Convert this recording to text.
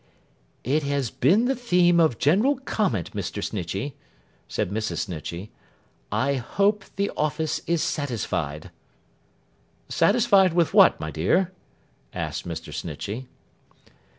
'It has been the theme of general comment, Mr. Snitchey,' said Mrs. Snitchey. 'I hope the office is satisfied.' 'Satisfied with what, my dear?' asked Mr. Snitchey.